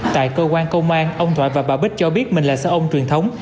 tại cơ quan công an ông thoại và bà bích cho biết mình là xe ông truyền thống